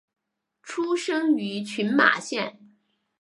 出身于群马县。